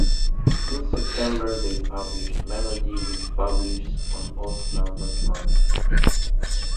In September, they published "Melody" which publishes on odd-numbered months.